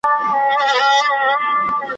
پر ملا به کړوپه بوډۍ زړه یې ,